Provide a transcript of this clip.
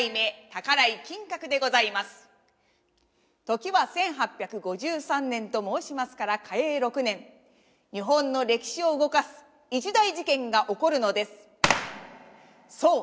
宝井琴鶴でございます時は１８５３年と申しますから嘉永６年日本の歴史を動かす一大事件が起こるのですそう